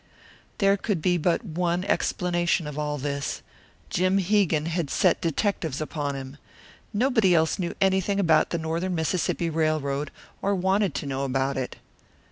There could be but one explanation of all this. Jim Hegan had set detectives upon him! Nobody else knew anything about the Northern Mississippi Railroad, or wanted to know about it.